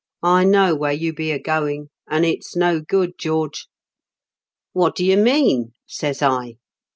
' I know where you be a going, and it's no good, George.' "* What do you mean ?' says I.